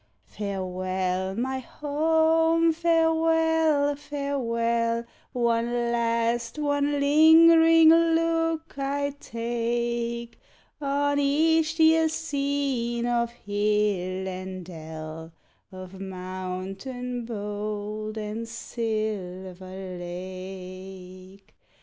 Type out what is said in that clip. Farewell, my home, farewell, farewell; One last, one lingering look I take On each dear scene of hill and dell, Of mountain bold and silver lake.